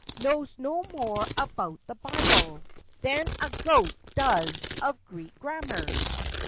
Knows no more about the Bible Than a goat does of Greek grammar!